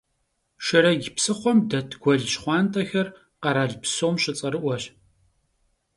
Шэрэдж псыхъуэм дэт Гуэл щхъуантӀэхэр къэрал псом щыцӀэрыӀуэщ.